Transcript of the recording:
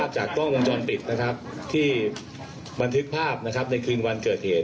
เจ้าที่เปิดภาพนะครับในคืนวันเกิดเหตุ